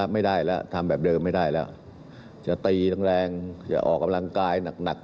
ไม่ได้แล้วทำแบบเดิมไม่ได้แล้วจะตีแรงจะออกกำลังกายหนัก